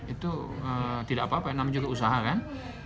itu tidak apa apa yang namanya juga usaha kan